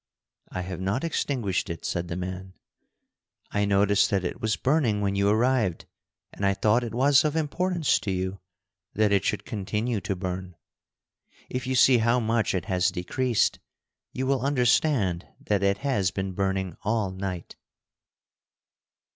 "I have not extinguished it," said the man. "I noticed that it was burning when you arrived, and I thought it was of importance to you that it should continue to burn. If you see how much it has decreased, you will understand that it has been burning all night."